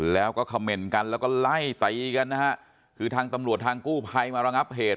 แล้วก็เขม่นกันแล้วก็ไล่ตีกันนะฮะคือทางตำรวจทางกู้ภัยมาระงับเหตุ